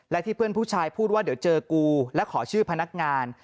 และที่เพื่อนผู้ชายพูดว่าเดี๋ยวเจอกูและขอชื่อพนักงาน